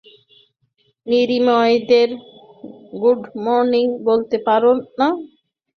Senior দের good morning বলতে পারো না?